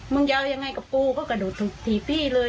มึงจะเอายังไงกับกูก็กระดูกถูกถีบพี่เลย